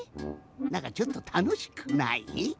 なんかちょっとたのしくない？